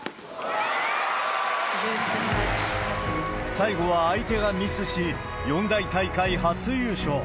最後は相手がミスし、四大大会初優勝。